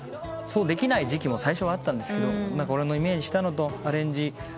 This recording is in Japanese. できない時期も最初はあったんですけど俺のイメージしたのとアレンジ。